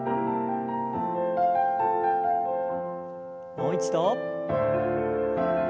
もう一度。